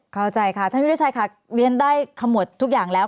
เข้าใจค่ะท่านวิทยาชัยค่ะเรียนได้ขมวดทุกอย่างแล้ว